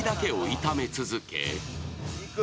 いく？